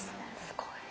すごい。